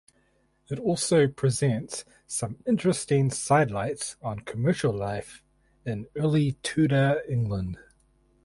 It also presents some interesting sidelights on commercial life in early Tudor England.